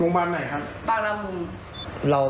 โรงพยาบาลไหนครับปราณมุม